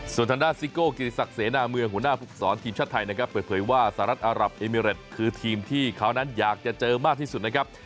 ส่วนทางด้านซิโก้กิติศักดิ์เสนาเมืองหัวหน้าภูมิสอนทีมชาติไทยนะครับเปิดเผยว่าสหรัฐอารับเอมิเรตคือทีมที่เขานั้นอยากจะเจอมากที่สุดนะครับ